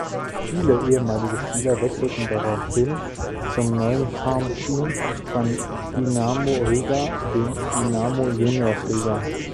Viele ehemalige Spieler wechselten daraufhin zum neuen Farmteam von Dinamo Riga, den Dinamo-Juniors Riga.